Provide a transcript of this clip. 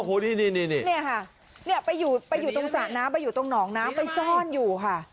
โฮนี่นี่อ่ะนี่ไปอยู่ตรงหนองน้ำไปช่อนอยู่ค่ะ